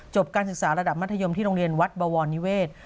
การศึกษาระดับมัธยมที่โรงเรียนวัดบวรนิเวศ